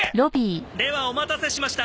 ではお待たせしました。